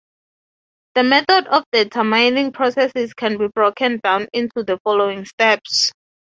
The method for determining processes can be broken down into the following steps.